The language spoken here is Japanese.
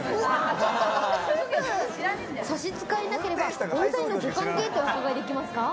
差し支えなければ、お２人のご関係ってお伺いできますか？